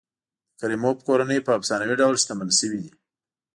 د کریموف کورنۍ په افسانوي ډول شتمن شوي دي.